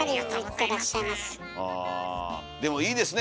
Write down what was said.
でもいいですね